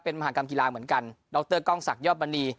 มหากรรมกีฬาเหมือนกันดรกล้องศักดิยอดมณี